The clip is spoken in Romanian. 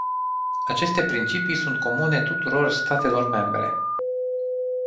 Aceste principii sunt comune tuturor statelor membre.